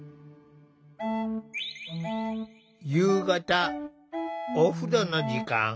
夕方お風呂の時間。